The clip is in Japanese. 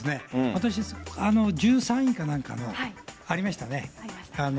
私、１３位かなんかの、ありましたね。